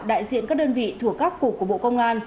đại diện các đơn vị thuộc các cục của bộ công an